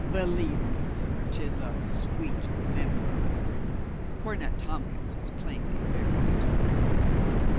Believe me, sir, 'tis a sweet member." Cornet Tompkins was plainly embarrassed.